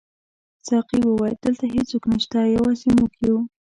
ساقي وویل: دلته هیڅوک نشته، یوازې موږ یو.